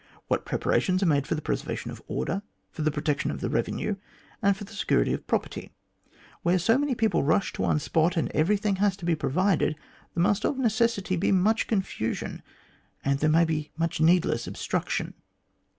What preparations are made for the preservation of order, for the protection of the revenue, and for the security of property 1 Where so many people rush to one spot, and everything has to be provided, there must of necessity be much confusion, and there may be much needless obstruc tion."